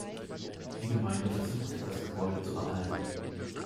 Die Gemeinde versucht, das Gebäude zu erhalten.